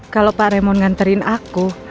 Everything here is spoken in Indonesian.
kalau pak remo nganterin aku